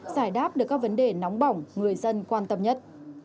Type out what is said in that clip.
giải đáp được các vấn đề nóng bỏng người dân quan tâm nhất